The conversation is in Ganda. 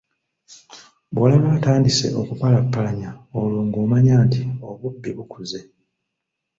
Bw'olaba atandise okupalapalanya, olwo ng'omanya nti obubbi bukuze.